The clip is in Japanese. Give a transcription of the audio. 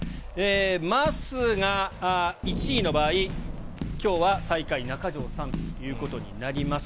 まっすーが１位の場合、きょうは最下位、中条さんということになります。